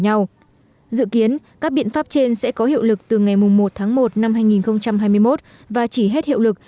nhau dự kiến các biện pháp trên sẽ có hiệu lực từ ngày một tháng một năm hai nghìn hai mươi một và chỉ hết hiệu lực